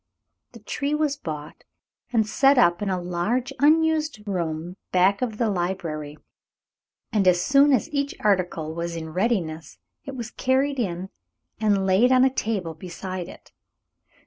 The tree was bought and set up in a large unused room back of the library, and as soon as each article was in readiness it was carried in and laid on a table beside it.